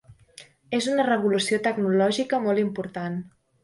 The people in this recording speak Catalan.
És una revolució tecnològica molt important.